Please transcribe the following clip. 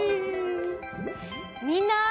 みんな！